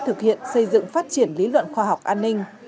thực hiện xây dựng phát triển lý luận khoa học an ninh